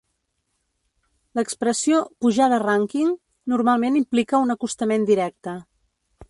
L'expressió "pujar de rànquing" normalment implica un acostament directe.